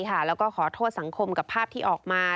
แล้วก็ขอโทษสังคมกับภาพที่ออกมา